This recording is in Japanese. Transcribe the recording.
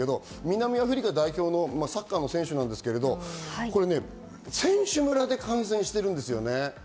南アフリカ代表のサッカーの選手ですけど、選手村で感染してるんですよね。